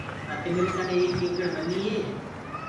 ڪآ تمرآ ڪني ايڪ ايڪڙ ٻني هي؟